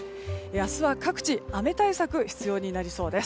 明日は各地、雨対策が必要になりそうです。